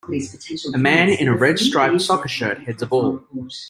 A man in a red striped soccer shirt heads a ball.